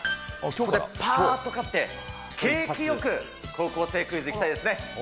ここでぱーっと勝って、ケーキよく高校生クイズいきたいですね。